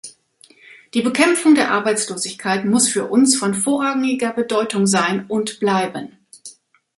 Die Bekämpfung der Arbeitslosigkeit muss für uns von vorrangiger Bedeutung sein und bleiben.